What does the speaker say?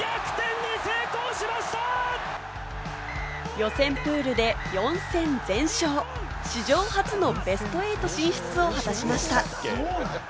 予選プールで４戦全勝、史上初のベスト８進出を果たしました！